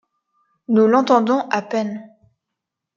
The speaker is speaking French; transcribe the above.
Nous l’entendons à peine.